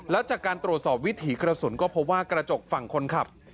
แล้วจากการตรวจสอบวิถีกระสุนก็พบว่ากระจกฝั่งคนขับ